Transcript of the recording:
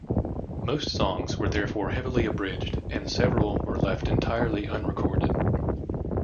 Most songs were therefore heavily abridged and several were left entirely unrecorded.